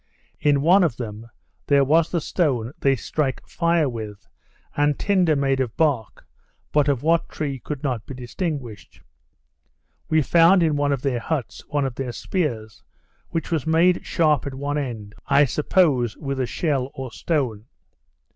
In one of them there was the stone they strike fire with, and tinder made of bark, but of what tree could not be distinguished. We found in one of their huts, one of their spears, which was made sharp at one end, I suppose, with a shell or stone.